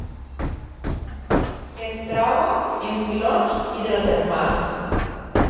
Es troba en filons hidrotermals.